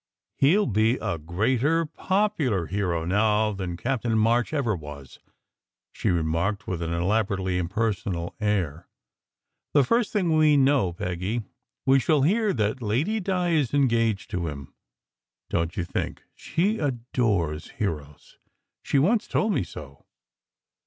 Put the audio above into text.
"He ll be a greater popular hero now than Captain March ever was," she remarked with an elaborately im personal air. "The first thing we know, Peggy, we shall hear that Lady Di is engaged to him; don t you think? She adores heroes. She once told me so."